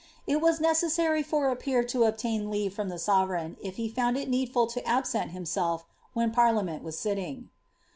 It was necessarj for a peer to obi«B leave from thb sovereigta, if he fovnd it needftd to absent himself whes parliament was sitting.